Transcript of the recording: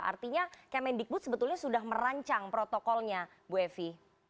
artinya kementerian pendidikan sebetulnya sudah merancang protokolnya bu evi